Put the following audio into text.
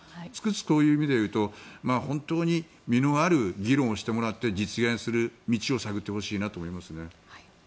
そういう意味で言うと本当に実のある議論をしてもらって実現する道を探ってほしいなと思いますね。